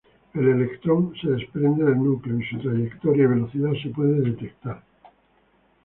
El electrón se desprende del núcleo, y su trayectoria y velocidad se puede detectar.